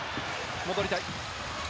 戻りたい。